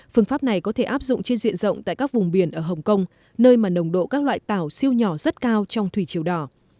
phương pháp này có thể áp dụng trên diện rộng tại các vùng biển ở hồng kông nơi mà nồng độ các loại tàu siêu nhỏ rất cao trong thủy chiều đỏ